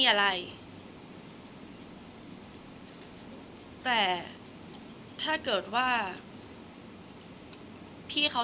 คนเราถ้าใช้ชีวิตมาจนถึงอายุขนาดนี้แล้วค่ะ